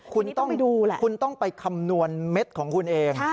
คุณต้องดูแหละคุณต้องไปคำนวณเม็ดของคุณเอง